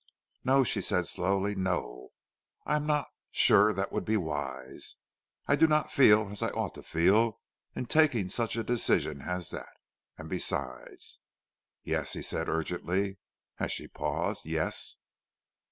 "No," she said slowly, "no, I am not sure that would be wise. I do not feel as I ought to feel in taking such a decision as that. And besides " "Yes?" he said, urgently, as she paused. "Yes?"